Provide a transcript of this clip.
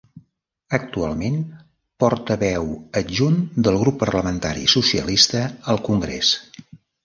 Actualment portaveu adjunt del Grup Parlamentari Socialista al Congrés.